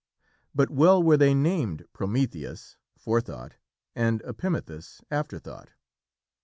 But well were they named Prometheus (Forethought) and Epimethus (Afterthought).